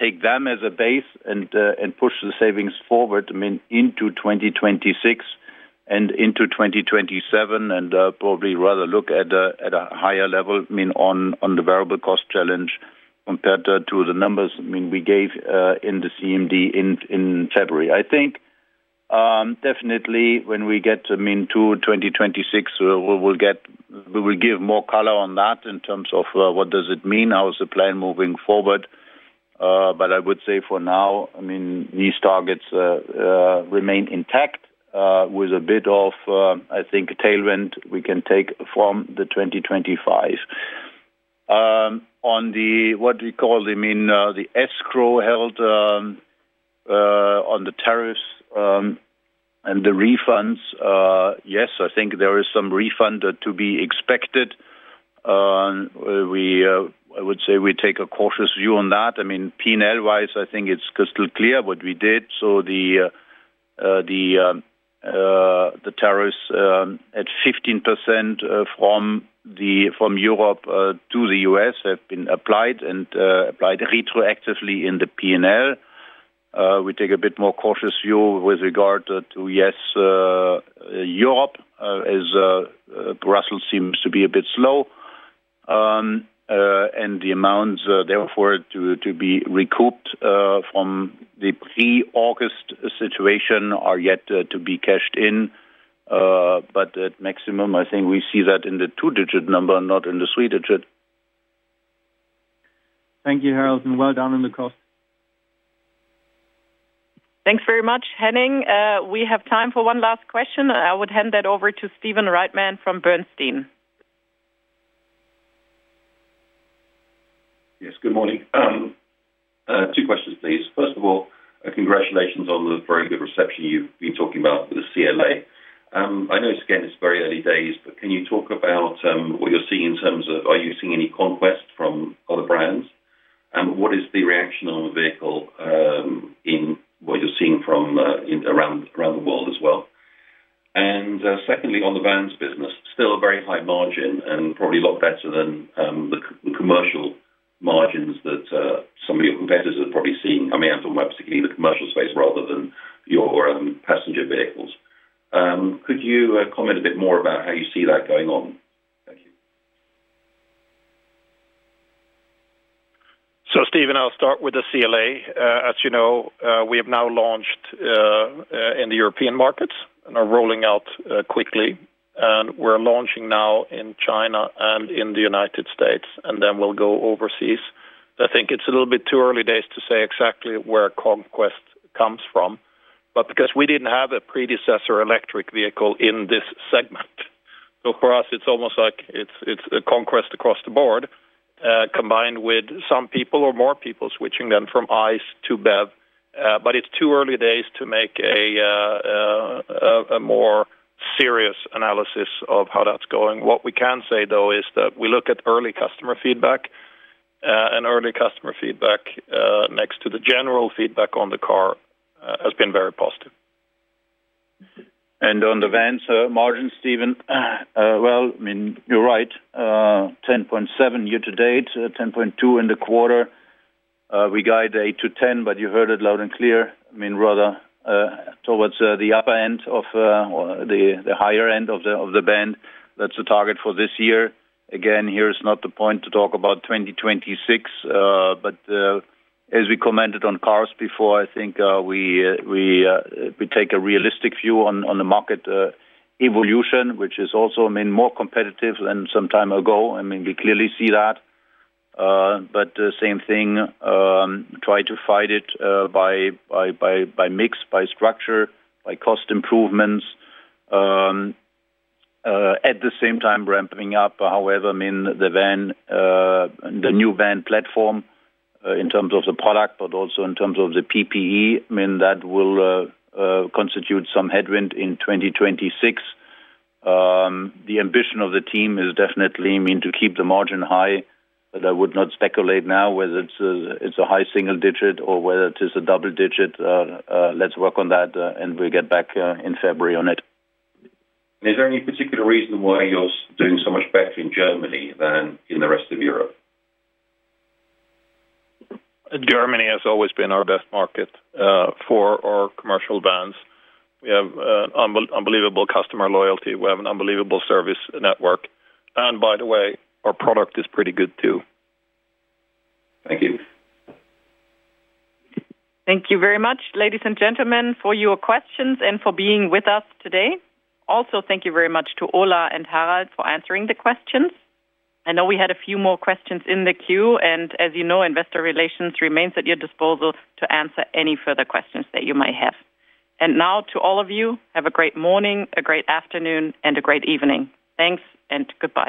take them as a base and push the savings forward into 2026 and into 2027, and probably rather look at a higher level on the variable cost challenge compared to the numbers we gave in the CMD in February. I think definitely when we get to 2026, we will give more color on that in terms of what does it mean, how is the plan moving forward. For now, these targets remain intact with a bit of a tailwind we can take from the 2025. On what we call the escrow held on the tariffs and the refunds, yes, I think there is some refund to be expected. I would say we take a cautious view on that. P&L-wise, I think it's crystal clear what we did. The tariffs at 15% from Europe to the U.S. have been applied and applied retroactively in the P&L. We take a bit more cautious view with regard to Europe as Brussels seems to be a bit slow. The amounts therefore to be recouped from the pre-August situation are yet to be cashed in. At maximum, I think we see that in the two-digit number, not in the three-digit. Thank you, Harald. Well done on the cost. Thanks very much, Henning. We have time for one last question. I would hand that over to Stephen Reitman from Bernstein. Yes, good morning. Two questions, please. First of all, congratulations on the very good reception you've been talking about for the CLA. I know it's again, it's very early days, but can you talk about what you're seeing in terms of are you seeing any conquest from other brands? What is the reaction on the vehicle in what you're seeing from around the world as well? Secondly, on the Vans business, still a very high margin and probably a lot better than the commercial margins that some of your competitors are probably seeing coming out of my particularly the commercial space rather than your passenger vehicles. Could you comment a bit more about how you see that going on? Thank you. Stephen, I'll start with the CLA. As you know, we have now launched in the European markets and are rolling out quickly. We're launching now in China and in the United States, and then we'll go overseas. I think it's a little bit too early days to say exactly where Conquest comes from because we didn't have a predecessor electric vehicle in this segment, so for us, it's almost like it's a conquest across the board, combined with some people or more people switching them from ICE to BEV. It's too early days to make a more serious analysis of how that's going. What we can say, though, is that we look at early customer feedback, and early customer feedback next to the general feedback on the car has been very positive. On the Vans margin, Stephen, you're right, 10.7% year to date, 10.2% in the quarter. We guide 8% to 10%, but you heard it loud and clear. Rather, towards the upper end of the higher end of the band, that's the target for this year. Here is not the point to talk about 2026. As we commented on cars before, I think we take a realistic view on the market evolution, which is also competitive. We clearly see that. The same thing, try to fight it by mix, by structure, by cost improvements. At the same time, ramping up, however, the van, the new van platform, in terms of the product, but also in terms of the PPE, that will constitute some headwind in 2026. The ambition of the team is definitely to keep the margin high. I would not speculate now whether it's a high single digit or whether it is a double digit. Let's work on that, and we'll get back in February on it. Is there any particular reason why you're doing so much better in Germany than in the rest of Europe? Germany has always been our best market for our commercial vans. We have an unbelievable customer loyalty, an unbelievable service network, and by the way, our product is pretty good too. Thank you. Thank you very much, ladies and gentlemen, for your questions and for being with us today. Also, thank you very much to Ola and Harald for answering the questions. I know we had a few more questions in the queue. As you know, Investor Relations remains at your disposal to answer any further questions that you may have. To all of you, have a great morning, a great afternoon, and a great evening. Thanks, andgoodbye.